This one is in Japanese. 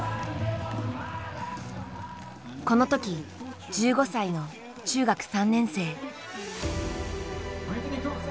この時１５歳の中学３年生。